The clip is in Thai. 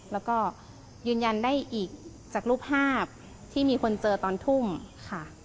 แล้วก็ยืนยันได้อีกจากรูปภาพที่มีคนเจอตอนทุ่มค่ะ